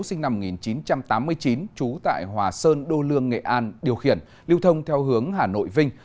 sinh năm một nghìn chín trăm tám mươi chín trú tại hòa sơn đô lương nghệ an điều khiển lưu thông theo hướng hà nội vinh